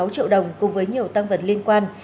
một mươi sáu triệu đồng cùng với nhiều tăng vật liên quan